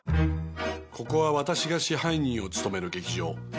ここは私が支配人を務める劇場。